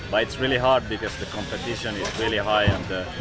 tapi ini sangat sukar karena kompetisi sangat tinggi